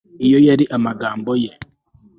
iyo yari amagambo ye.